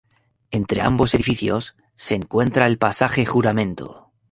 Entre ambos edificios se encuentra el pasaje Juramento.